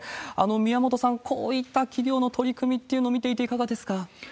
宮本さん、こういった企業の取り組みっていうのを見ていて、いかがですか？